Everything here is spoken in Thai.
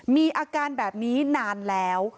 มีอาการแบบนี้นานแล้ว